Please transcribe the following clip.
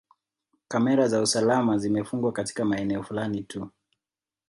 Kamera za usalama zimefungwa katika maeneo fulani tu